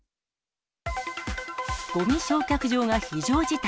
ごみ焼却場が非常事態。